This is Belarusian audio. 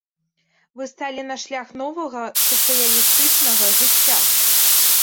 Вы сталі на шлях новага, сацыялістычнага жыцця.